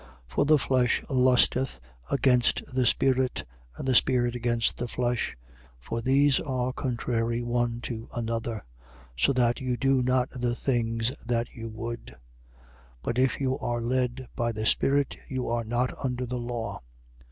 5:17. For the flesh lusteth against the spirit: and the spirit against the flesh: For these are contrary one to another: so that you do not the things that you would. 5:18. But if you are led by the spirit, you are not under the law.